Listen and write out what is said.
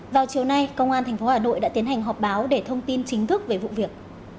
vào chiều nay công an tp hà nội đã tiến hành họp báo để thông tin chính thức về vụ việc